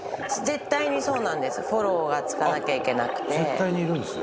絶対にそうなんですフォローがつかなきゃいけなくて絶対にいるんですね